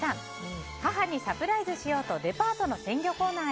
母にサプライズしようとデパートの鮮魚コーナーへ。